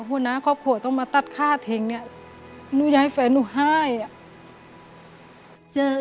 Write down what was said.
ผู้น้าครอบครัวต้องมาตัดภาพเถียง